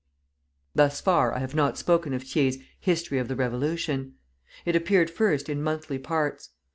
Thus far I have not spoken of Thiers' "History of the Revolution." It appeared first in monthly parts.